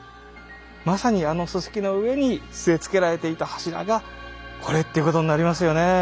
まさにあの礎石の上に据え付けられていた柱がこれっていうことになりますよね。